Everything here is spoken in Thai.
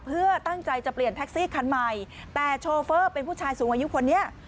เพื่อตั้งใจจะเปลี่ยนแท็กซี่คันใหม่แต่โชเฟอร์เป็นผู้ชายสูงอายุคนนี้